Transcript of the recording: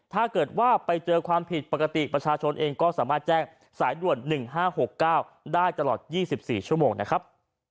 ถ้าเกิดว่าไปเจอความผิดปกติประชาชนเองก็สามารถแจ้งสายด่วน๑๕๖๙ได้ตลอด๒๔ชั่วโมงนะครับ